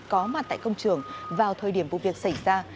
có mặt tại công trường vào thời điểm vụ việc xảy ra